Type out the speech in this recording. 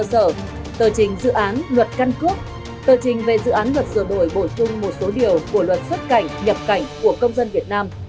tờ trình về dự án luật sửa đổi bổ sung một số điều của luật xuất cảnh nhập cảnh của công dân việt nam